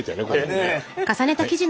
ねえ。